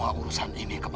ya udah cukup